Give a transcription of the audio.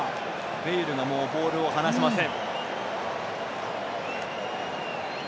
ベイルがボールを離しません。